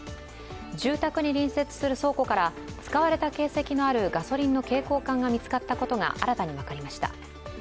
住宅に隣接する倉庫から使われた形跡のあるガソリンの携行缶が見つかったことが新たに分かりました。